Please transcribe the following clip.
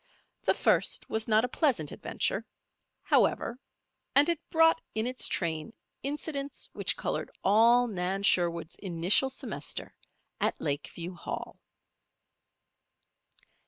This first was not a pleasant adventure, however; and it brought in its train incidents which colored all Nan Sherwood's initial semester at Lakeview Hall.